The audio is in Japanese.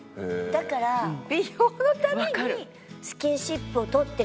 だから美容のためにスキンシップを取ってるとこありますよ。